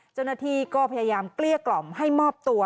เจ้าหน้าที่ก็พยายามเกลี้ยกล่อมให้มอบตัว